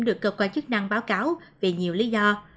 được cơ quan chức năng báo cáo vì nhiều lý do